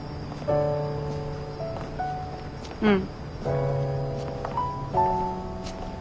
うん。